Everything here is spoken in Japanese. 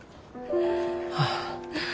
ああ。